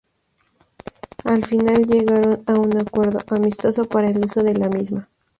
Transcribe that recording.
Al final llegaron a un acuerdo amistoso para el uso de la misma.